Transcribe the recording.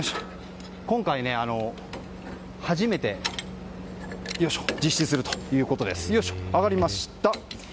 今回初めて実施するということです。